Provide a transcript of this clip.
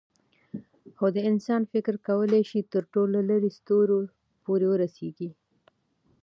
خو د انسان فکر کولی شي تر ټولو لیرې ستورو پورې ورسېږي.